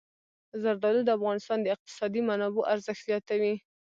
زردالو د افغانستان د اقتصادي منابعو ارزښت زیاتوي.